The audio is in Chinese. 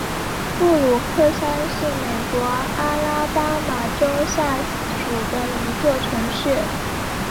布鲁克山是美国阿拉巴马州下属的一座城市。